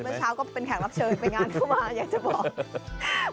เมื่อเช้าก็เป็นแขกรับเชิญไปงานเข้ามาอยากจะบอก